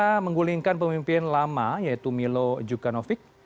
mereka menggulingkan pemimpin lama yaitu milo jukanovic